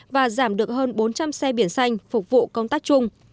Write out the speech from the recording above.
và giảm được hơn bốn trăm linh xe biển xanh phục vụ công tác chung